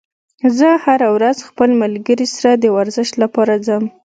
زه هره ورځ خپل ملګري سره د ورزش لپاره ځم